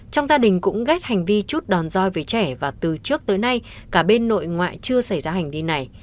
trong gia đình cũng ghép hành vi chút đòn roi về trẻ và từ trước tới nay cả bên nội ngoại chưa xảy ra hành vi này